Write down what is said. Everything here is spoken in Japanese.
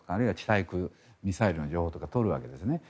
対空ミサイルの情報とか取るわけですね。